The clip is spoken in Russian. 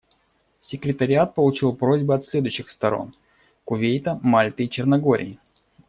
Секретариат получил просьбы от следующих сторон: Кувейта, Мальты и Черногории.